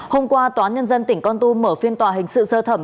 hôm qua tòa nhân dân tỉnh con tum mở phiên tòa hình sự sơ thẩm